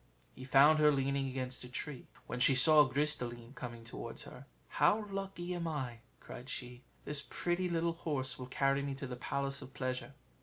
He found her leaning against a tree. When she saw Gris de line coming towards her, "How lucky am I!" cried she; "this pretty little horse will carry me to the Palace of Pleasure."